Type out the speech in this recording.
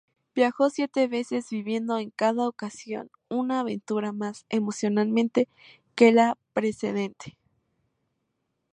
Viajó siete veces, viviendo en cada ocasión una aventura más emocionante que la precedente.